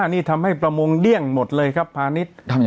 นี่ทำให้ประมงเดี้ยงหมดเลยครับพาณิชย์